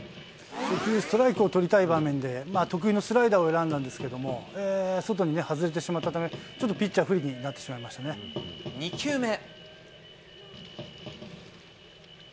初球、ストライクを取りたい場面で得意のスライダーを選んだんですけれども、外に外れてしまったため、ちょっとピッチャー、不利になっ２球目。